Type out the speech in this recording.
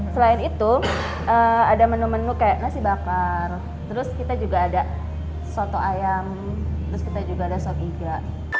selain itu ada menu menu kayak nasi bakar terus kita juga ada soto ayam terus kita juga ada sop iga